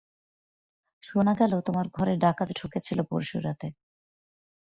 শোনা গেল তোমার ঘরে ডাকাত ঢুকেছিল পরশু রাত্রে।